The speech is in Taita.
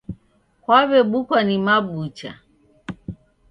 Kwaw'ebukwa ni mabucha.